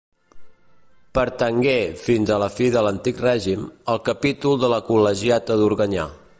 Pertangué, fins a la fi de l'antic règim, al capítol de la col·legiata d'Organyà.